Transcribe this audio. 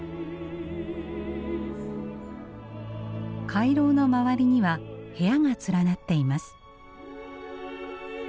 回廊の周りには部屋が連なっています。